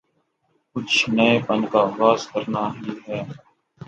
کچھ نئے پن کا آغاز کرنا ہی ہے۔